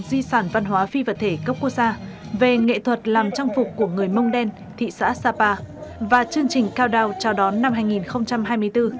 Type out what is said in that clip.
di sản văn hóa phi vật thể cấp quốc gia về nghệ thuật làm trang phục của người mông đen thị xã sapa và chương trình cao đao chào đón năm hai nghìn hai mươi bốn